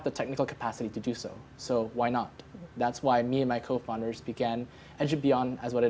itulah mengapa saya dan pembinaan saya mulai berusaha untuk belajar ke atas seperti apa yang sedang dilakukan hari ini